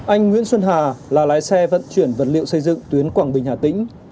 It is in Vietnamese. anh nguyễn xuân hà là lái xe vận chuyển vật liệu xây dựng tuyến quảng bình hà tĩnh